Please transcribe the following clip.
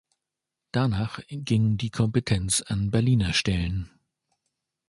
Danach ging die Kompetenz an Berliner Stellen.